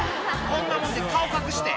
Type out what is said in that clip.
こんなもんで顔隠して」